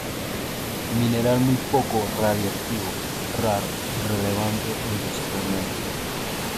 Mineral muy poco radiactivo, raro, irrelevante industrialmente.